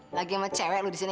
lagi sama cewek lu di sini